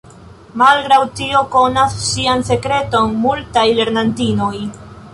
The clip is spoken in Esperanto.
Malgraŭ tio konas ŝian sekreton multaj lernantinoj.